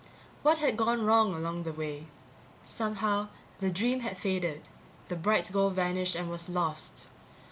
What had gone wrong along the way? Somehow, the dream had faded, the bright goal vanished and was lost.